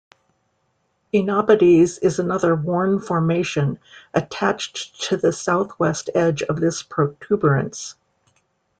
Oenopides is another worn formation attached to the southwest edge of this protuberance.